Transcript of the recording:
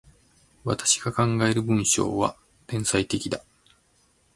私が考える文章は、天才的だ。